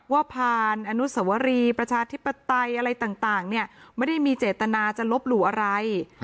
ว่าผ่านอนุสวรีประชาธิปไตยอะไรต่างเนี่ยไม่ได้มีเจตนาจะลบหลู่อะไร